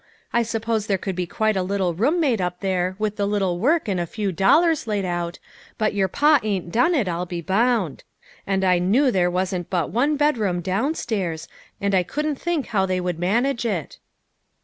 I suppose there could be quite a nice room made up there with a little work and a few dollars laid out, but your pa ain't done it, I'll be bound. And I knew there wasn't but one bedroom down stairs, and I couldn't think how they would manage it."